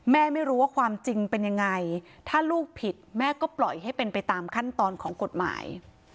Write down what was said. ไม่รู้ว่าความจริงเป็นยังไงถ้าลูกผิดแม่ก็ปล่อยให้เป็นไปตามขั้นตอนของกฎหมาย